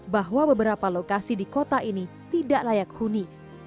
bahwa beberapa lokasi di kota ini tidak layak huni